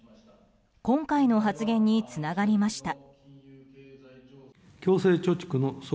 今回の発言につながりました。